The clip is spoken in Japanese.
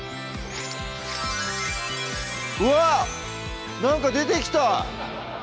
うわっ何か出てきた！